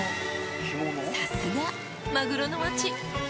［さすがマグロの町］